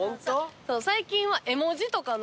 最近は絵文字とかの。